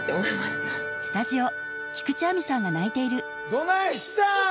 どないしたん？